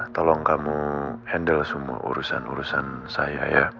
tolong kamu handle semua urusan urusan saya ya